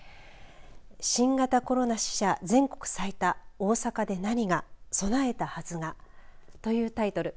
新型コロナ死者、全国最多大阪で何が、備えたはずがというタイトル。